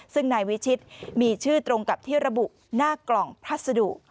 ซึ่งนายวิชิตมีชื่อตรงกับที่ระบุหน้ากล่องพัสดุ